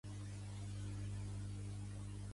Quan valen els vaixells de la monarquia?